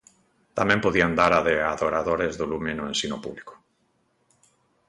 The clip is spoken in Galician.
Tamén podían dar a de adoradores do lume no ensino público.